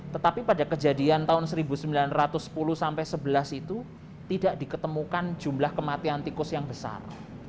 tetapi pada kejadian tahun seribu sembilan ratus sepuluh sampai sebelas itu tidak diketemukan jumlah kematian tikus yang besar